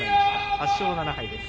８勝７敗です。